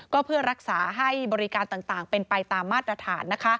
ก็เพื่อรักษาให้บริการต่างเป็นไปตามมาตรฐาน